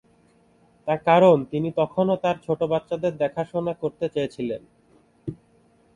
তার কারণ তিনি তখনও তার ছোট বাচ্চাদের দেখাশোনা করতে চেয়েছিলেন।